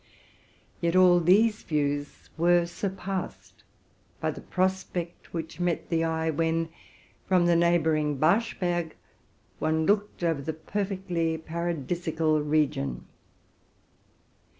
Yet all these views were surpassed by the prospect which met the eye, when, from the neighboring Baschberg, one looked over the perfectly paradisiacal region.